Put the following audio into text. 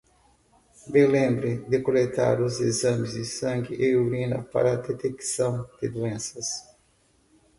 Me lembre de coletar os exames de sangue e urina para detecção de doenças